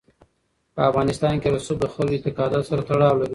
په افغانستان کې رسوب د خلکو اعتقاداتو سره تړاو لري.